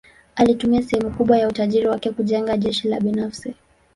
Alitumia sehemu kubwa ya utajiri wake kujenga jeshi la binafsi.